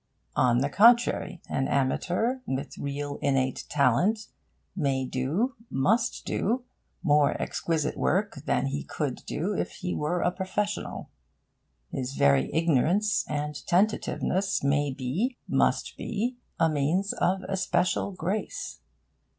On the contrary, an amateur with real innate talent may do, must do, more exquisite work than he could do if he were a professional. His very ignorance and tentativeness may be, must be, a means of especial grace.